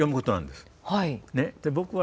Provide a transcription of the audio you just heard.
で僕は。